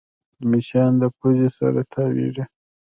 مچان د پوزې سره تاوېږي